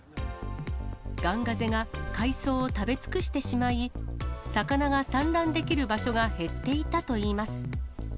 ガンガゼが海藻を食べ尽くしてしまい、魚が産卵できる場所が減っていたといいます。